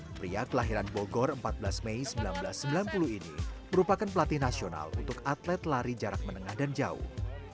pria kelahiran bogor empat belas mei seribu sembilan ratus sembilan puluh ini merupakan pelatih nasional untuk atlet lari jarak menengah dan jauh